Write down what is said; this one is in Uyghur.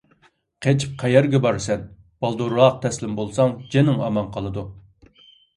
قېچىپ قەيەرگە بارىسەن؟ بالدۇرراق تەسلىم بولساڭ جېنىڭ ئامان قالىدۇ!